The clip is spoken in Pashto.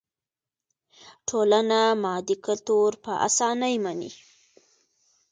ټولنه مادي کلتور په اسانۍ مني.